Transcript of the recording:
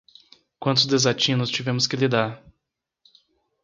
Quantos desatinos tivemos que lidar